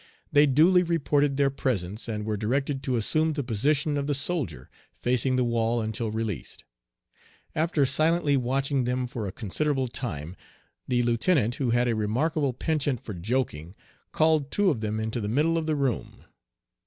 They duly reported their presence, and were directed to assume the position of the soldier, facing the wall until released. After silently watching them for a considerable time, the lieutenant, who had a remarkable penchant for joking, called two of them into the middle of the room.